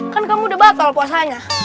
kan kamu udah batal puasanya